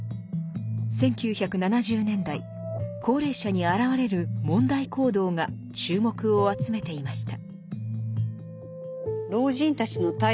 １９７０年代高齢者に現れる問題行動が注目を集めていました。